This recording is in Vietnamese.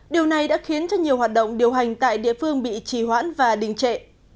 điều này đã khiến cho nhiều hoạt động điều hành tại địa phương bị trì hoãn và đình trệ